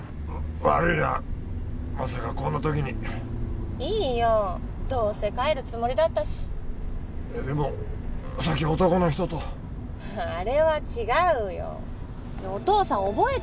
悪いなまさかこんな時にいいよどうせ帰るつもりだったしでもさっき男の人とあれは違うよねえ